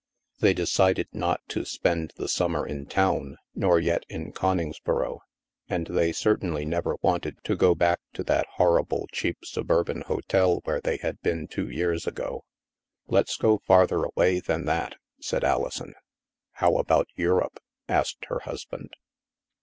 They decided not to spend the summer in town, nor yet in Coningsboro. And they certainly never wanted to go back to that horrible cheap suburban hotel where they had been two years ago. Let's go farther away than that," said Alison. How about Europe ?" asked her husband.